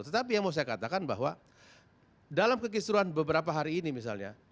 tetapi yang mau saya katakan bahwa dalam kekisruan beberapa hari ini misalnya